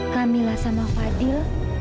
kamilah sama fadil